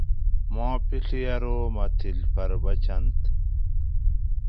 ما پیڷیو ارو مہ تھِل پھر بچنت